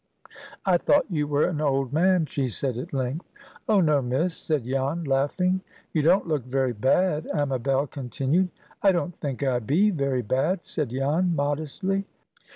"I thought you were an old man!" she said, at length. "Oh, no, Miss," said Jan, laughing. "You don't look very bad," Amabel continued. "I don't think I be very bad," said Jan, modestly.